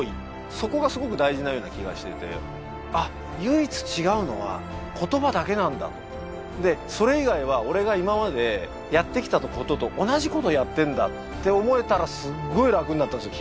そこがすごく大事なような気がしててあっ唯一違うのは言葉だけなんだとでそれ以外は俺が今までやってきたことと同じことやってんだって思えたらすごい楽になったんですよ